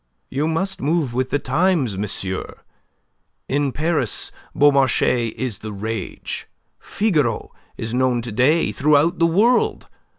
"You must move with the times, monsieur. In Paris Beaumarchais is the rage. 'Figaro' is known to day throughout the world.